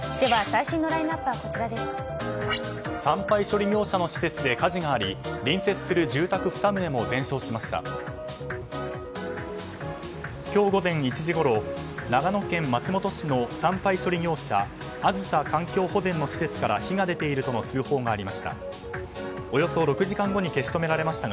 今日午前１時ごろ長野県松本市の産廃処理業者あずさ環境保全の施設から火が出ているとの通報がありました。